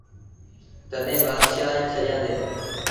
تڏهيݩ بآتشآهيٚ ڇڏيآندي۔